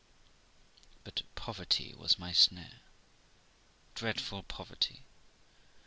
But poverty was my snare, dreadful poverty!